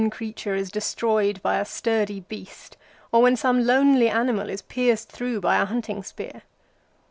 49 creature is destroyed by a sturdy beast, or when some lonely animal is pierced through by a hunting spear.